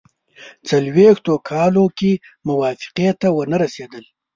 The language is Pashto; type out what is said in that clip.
څلوېښتو کالو کې موافقې ته ونه رسېدل.